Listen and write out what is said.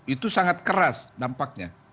itu sangat keras dampaknya